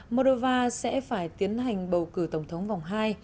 moldova sẽ phải tiến hành bầu cử tổng thống vòng hai